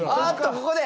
ここで。